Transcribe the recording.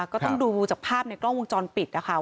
ก็ต้องดูจากภาพในกล้องวงจรปิดนะคะ